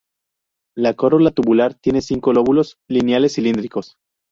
La corola tubular tiene cinco lóbulos lineales cilíndricos.